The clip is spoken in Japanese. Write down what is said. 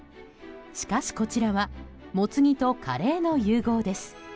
しかし、こちらはもつ煮とカレーの融合です。